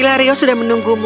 ilario aku sudah menunggumu